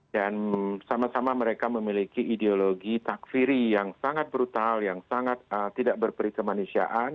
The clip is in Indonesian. dan sama sama mereka memiliki ideologi takfiri yang sangat brutal yang sangat tidak berperi kemanusiaan